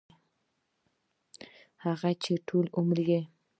هغـې چـې ټـول عـمر يـې